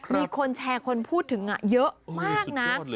มีคนแชร์คนพูดถึงเยอะมากนะ